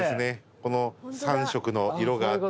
この３色の色があって。